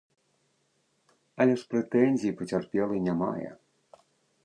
Але ж прэтэнзій пацярпелы не мае.